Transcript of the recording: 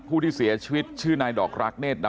ผู้ที่เสียชีวิตชื่อนายดอกรักเศษดำ